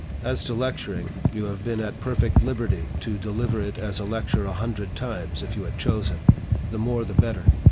As to lecturing, you have been at perfect liberty to deliver it as a lecture a hundred times, if you had chosen, the more the better.